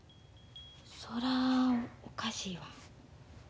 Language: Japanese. そらおかしいわ。